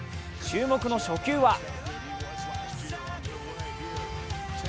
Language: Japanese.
注目の初球は？